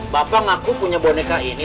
bapak ngaku punya boneka ini